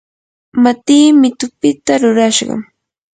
matii mitupita rurashqam.